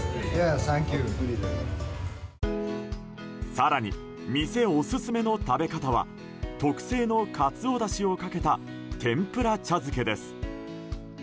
更に、店オススメの食べ方は特製のカツオだしをかけた天ぷら茶漬けです。